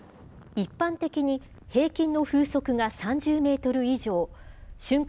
一般的に平均の風速が３０メートル以上、瞬間